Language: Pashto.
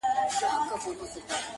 له پردو سره چې څومره ښه وکړي